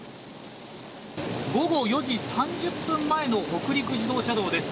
午後４時３０分前の北陸自動車道です。